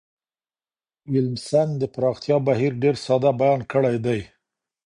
ویلمسن د پرمختیا بهیر ډیر ساده بیان کړی دی.